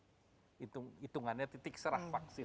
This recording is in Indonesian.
hitungannya titik serang vaksin